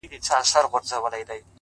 انقلابي په زلفو کي لام ـ لام نه کړم”